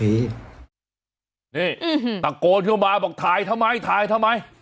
นี่ตะโกนเข้ามาบอกถ่ายทำไมถ่ายทำไม